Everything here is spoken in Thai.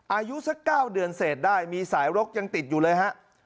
อายุสัก๙เดือนเศษได้มีสายรกยังติดอยู่เลยฮะ